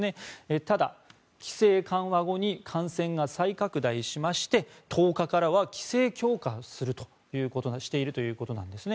ただ、規制緩和後に感染が再拡大しまして１０日からは規制強化しているということなんですね。